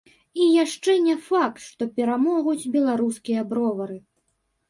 І яшчэ не факт, што перамогуць беларускія бровары.